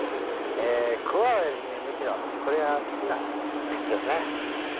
コアラよりも、むしろこれが好きな感じですね。